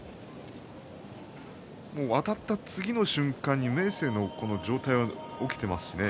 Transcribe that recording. あたった次の瞬間に明生の上体は起きていますしね。